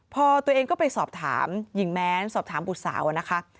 พอตัวเองก็ไปสอบถามหญิงแม้นสอบถามบุตรสาวนะคะ